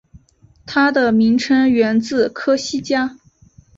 它的名称源自科西嘉。